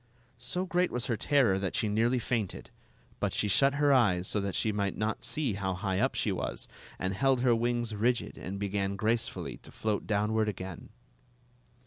So great was her terror that she nearly fainted; but she shut her eyes so that she might not see how high up she was, and held her wings rigid and began gracefully to float downward again.